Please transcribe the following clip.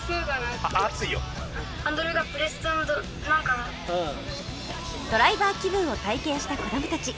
ドライバー気分を体験した子どもたち